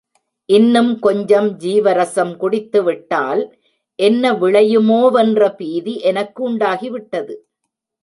இன்னும் கொஞ்சம் ஜீவரசம் குடித்துவிட்டால் என்ன விளையுமோவென்ற பீதி எனக்கு உண்டாகி விட்டது.